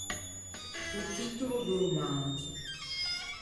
O titolo do romanso.